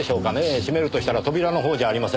閉めるとしたら扉の方じゃありませんかねぇ。